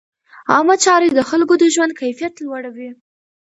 عامه چارې د خلکو د ژوند کیفیت لوړوي.